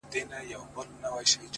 ستا ويادو ته ورځم!!